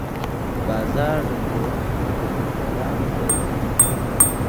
بازار د پلورونکو او خریدارانو ځای دی.